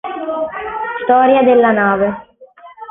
Storia della nave